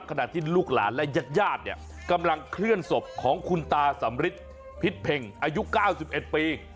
ขณะที่ลูกหลานและญาติญาติเนี่ยกำลังเคลื่อนศพของคุณตาสำริทพิษเพ็งอายุ๙๑ปี